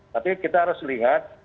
tapi kita harus lihat